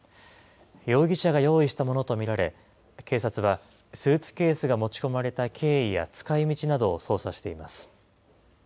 容疑者が用意したものと見られ、警察はスーツケースが持ち込まれた経緯や使いみちなどを捜査しています。